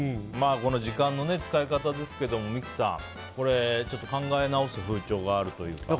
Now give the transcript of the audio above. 時間の使い方ですが、三木さんこれ、考え直す風潮があるというか。